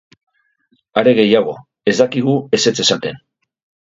Are gehiago, ez dakigu ezetz esaten.